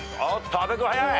阿部君早い！